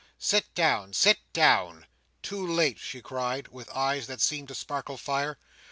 Sit down, sit down!" "Too late!" she cried, with eyes that seemed to sparkle fire.